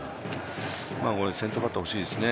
先頭バッター欲しいですね。